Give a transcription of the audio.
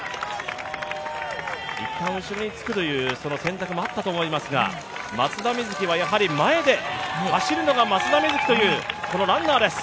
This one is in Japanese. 一旦後ろにつくという選択もあったと思いますが松田瑞生はやはり前で走るのが松田瑞生というこのランナーです。